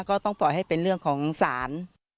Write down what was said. ก็ต้องปล่อยให้เป็นเรื่องของศาล